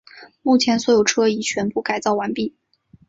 目前所有车已全部改造完毕。